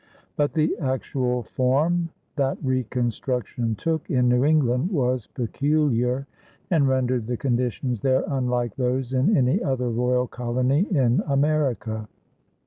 But the actual form that reconstruction took in New England was peculiar and rendered the conditions there unlike those in any other royal colony in America.